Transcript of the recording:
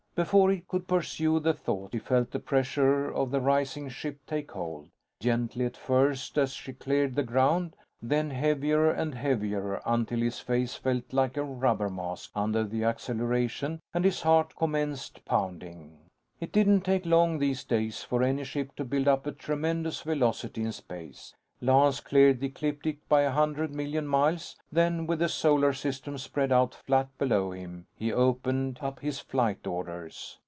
Before he could pursue the thought, he felt the pressure of the rising ship take hold; gently at first as she cleared the ground; then heavier and heavier, until his face felt like a rubber mask under the acceleration and his heart commenced pounding. It didn't take long these days for any ship to build up a tremendous velocity in space. Lance cleared the ecliptic by a hundred million miles; then with the Solar System spread out flat below him, he opened up his flight orders.